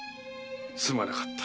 すまなかった。